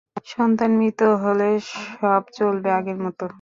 সন্তান মৃত হলে সব চলবে আগের মতো।